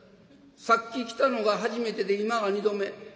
さっき来たのが初めてで今は二度目。